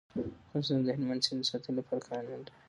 افغانستان د هلمند سیند د ساتنې لپاره قوانین لري.